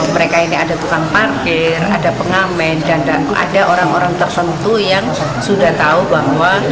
mereka ini ada tukang parkir ada pengamen dan ada orang orang tertentu yang sudah tahu bahwa